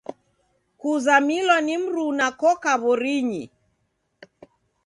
Kuzamilwa ni mruna koka w'orinyi.